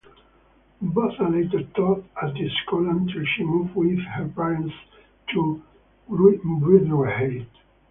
Botha later taught at the school until she moved with her parents to Vryheid.